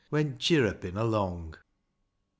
Went chirr upin' along. V.